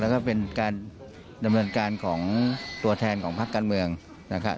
แล้วก็เป็นการดำเนินการของตัวแทนของพักการเมืองนะครับ